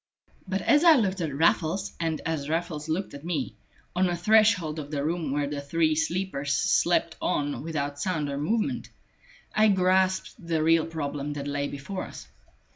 But as I looked at Raffles, and as Raffles looked at me, on the threshold of the room where the three sleepers slept on without sound or movement, I grasped the real problem that lay before us.